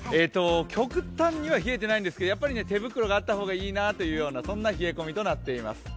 極端には冷えてないんですけどやっぱり手袋があった方がいいなというような冷え込みとなっています。